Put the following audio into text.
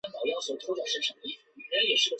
他也在雪梨夏季奥运结束后正式退休。